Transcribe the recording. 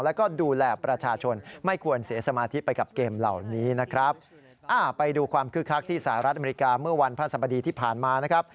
และก็ดูแลประชาชนไม่ควรเสียสมาธิไปกับเกมเหล่านี้นะครับ